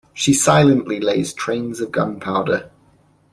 She silently lays trains of gunpowder.